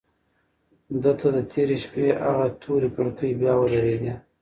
ده ته د تېرې شپې هغه تورې کړکۍ بیا ودرېدې.